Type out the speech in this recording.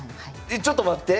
えっちょっと待って。